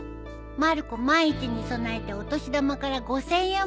まる子万一に備えてお年玉から５，０００円持ってきたよ。